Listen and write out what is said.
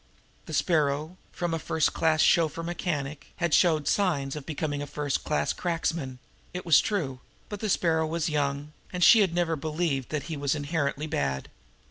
The Sparrow, from a first class chauffeur mechanic, had showed signs of becoming a first class cracksman, it was true; but the Sparrow was young, and she had never believed that he was inherently bad.